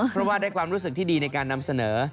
เพราะว่าได้ความรู้สึกที่ดีในการนำเสนอ